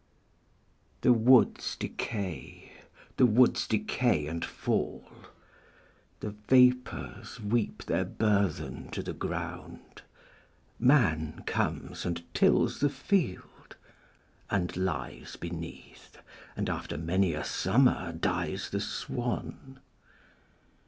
The woods decay, the woods decay and fall, The vapors weep their burthen to the ground, Man comes and tills the field and lies beneath, And after many a summer dies the swan.